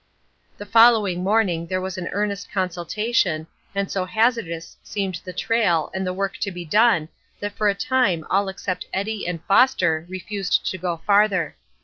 " The following morning there was an earnest consultation, and so hazardous seemed the trail and the work to be done that for a time all except Eddy and Foster refused to go farther.